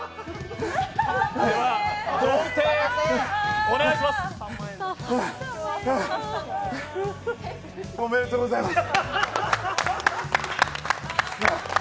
贈呈、お願いしますおめでとうございます。